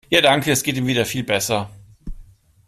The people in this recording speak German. Ja danke, es geht ihm wieder viel besser.